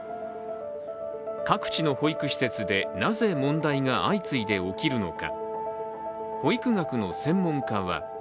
各地の保育施設で、なぜ問題が相次いで起きるのか。